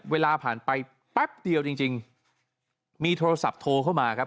เวลาผ่านไปแป๊บเดียวจริงมีโทรศัพท์โทรเข้ามาครับ